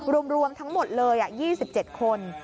รวมทั้งหมดเลย๒๗คน